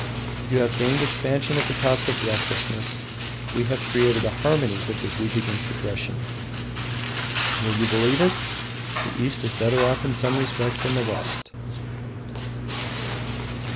You have gained expansion at the cost of restlessness; we have created a harmony which is weak against aggression. Will you believe it? the East is better off in some respects than the West!